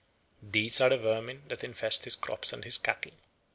These are the vermin that infest his crops and his cattle.